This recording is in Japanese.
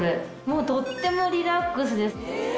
もうとってもリラックスです。